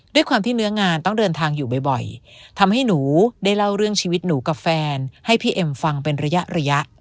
ด้วยความที่เนื้องานต้องเดินทางอยู่บ่อยทำให้หนูได้เล่าเรื่องชีวิตหนูกับแฟนให้พี่เอ็มฟังเป็นระยะระยะ